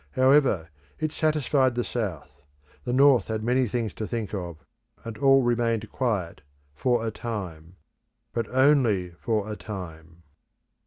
However, it satisfied the South; the North had many things to think of; and all remained quiet for a time. But only for a time.